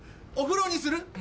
お風呂にする？